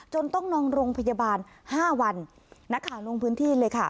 จนต้องนองโรงพยาบาล๕วันนะคะลงพื้นที่เลยค่ะ